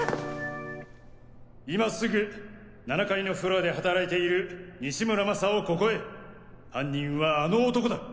今すぐ７階のフロアで働いている西村真をここへ犯人はあの男だ！